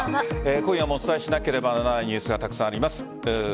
今夜もお伝えしなければならないニュースがたくさんあります。